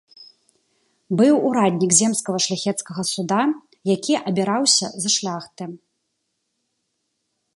Быў ураднік земскага шляхецкага суда, які абіраўся з шляхты.